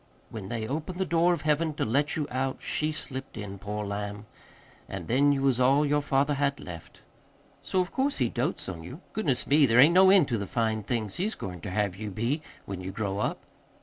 When they opened the door of Heaven to let you out she slipped in, poor lamb. An' then you was all your father had left. So of course he dotes on you. Goodness me, there ain't no end to the fine things he's goin' ter have you be when you grow up."